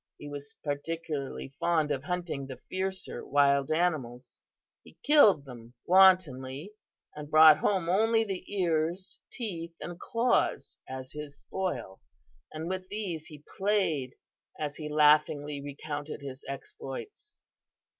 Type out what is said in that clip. He was particularly fond of hunting the fiercer wild animals. He killed them wantonly and brought home only the ears, teeth and claws as his spoil, and with these he played as he laughingly recounted his exploits.